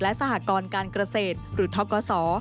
และสหกรการเกษตรหรือท็อกเกาะสอ